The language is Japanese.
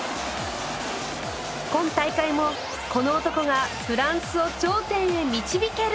今大会もこの男がフランスを頂点へ導けるか！？